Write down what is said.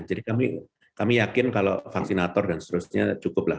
jadi kami yakin kalau vaksinator dan seterusnya cukup lah